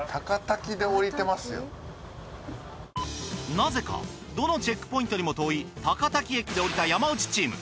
なぜかどのチェックポイントにも遠い高滝駅で降りた山内チーム。